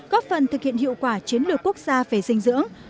góp phần thực hiện hiệu quả chiến lược quốc gia về dinh dưỡng